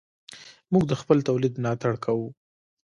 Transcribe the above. موږ د خپل تولید ملاتړ کوو.